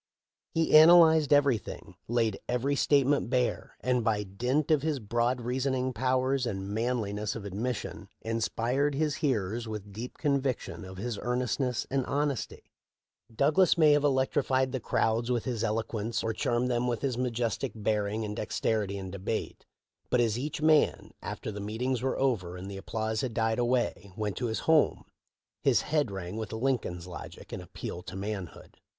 He analyzed everything, laid every state ment bare, and by dint of his broad reasoning pow ers and manliness of admission inspired his hearers with deep conviction of his earnestness and hon esty. Douglas may have electrified the crowds with his eloquence or charmed them with his majestic bearing and dexterity in debate, but as each man, after the meetings were over and the applause had died away, went to his home, his head rang with Lincoln's logic and appeal to manhood.